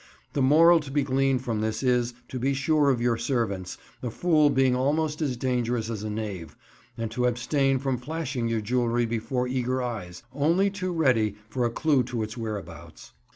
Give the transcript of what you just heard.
The moral to be gleaned from this is, to be sure of your servants, a fool being almost as dangerous as a knave, and to abstain from flashing your jewellery before eager eyes, only too ready for a clue to its whereabouts.